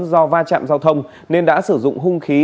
do va chạm giao thông nên đã sử dụng hung khí